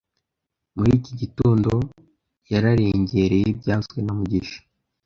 Muri iki gitondo, yararengereye byavuzwe na mugisha